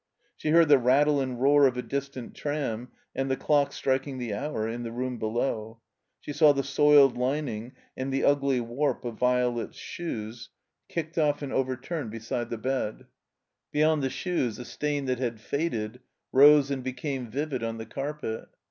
She heard the rattle and roar of a distant tram and the dock striking the hour in the room bdow. She saw the soiled lining and the ugly warp of Violet's shoes THE COMBINELr MAZE kicked oflf and overturned beside the bed. Beyond the shoes, a stain that had faded rose and became vivid on the carpet.